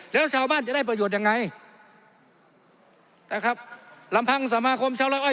แล้วชาวบ้านจะได้ประโยชน์ยังไงนะครับลำพังสมาคมชาวร้อยอ้อย